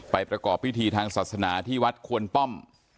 ประกอบพิธีทางศาสนาที่วัดควนป้อม